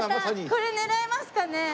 これ狙えますかね？